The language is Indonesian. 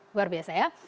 luar biasa ya